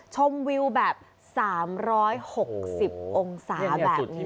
ชมวิวแบบ๓๖๐องศาแบบนี้